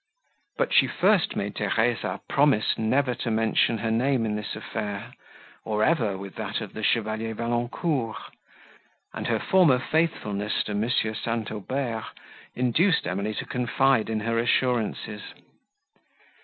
But she first made Theresa promise never to mention her name in this affair, or ever with that of the Chevalier Valancourt; and her former faithfulness to M. St. Aubert induced Emily to confide in her assurances.